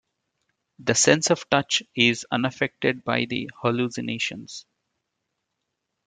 The sense of touch is unaffected by the hallucinations.